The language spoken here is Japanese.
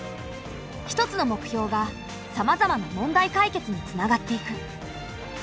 一つの目標がさまざまな問題解決につながっていく。